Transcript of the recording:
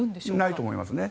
ないと思いますね。